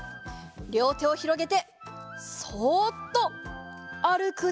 りょうてをひろげてそっとあるくでござる。